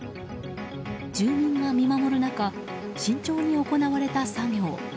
住民が見守る中慎重に行われた作業。